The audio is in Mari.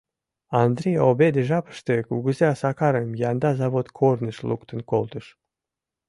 Андрий обеде жапыште кугыза Сакарым янда завод корныш луктын колтыш.